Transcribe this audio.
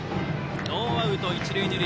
ノーアウト一塁二塁。